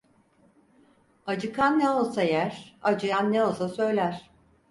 Acıkan ne olsa yer, acıyan ne olsa söyler.